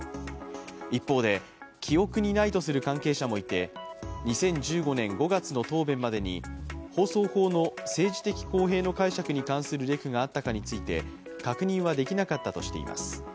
一方で、記憶にないとする関係者もいて、２０１５年５月の答弁までに放送法の政治的公平の解釈に関するレクがあったかについて確認はできなかったとしています。